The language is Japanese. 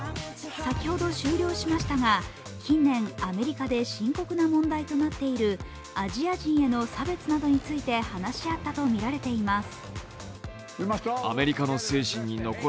先ほど終了しましたが近年、アメリカで深刻な問題となっているアジア人への差別などについて話し合ったとみられています。